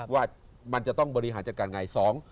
ว่ามันจะต้องบริหารจัดการไง